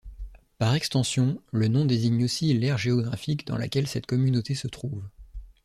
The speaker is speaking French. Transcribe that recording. Par extension, le nom désigne aussi l'aire géographique dans laquelle cette communauté se trouve.